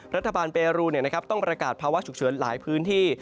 รัฐบาลเปรูต้องประกาศภาวะฉุกเฉินหลายพื้นที่